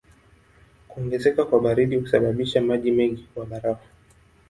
Kuongezeka kwa baridi husababisha maji mengi kuwa barafu.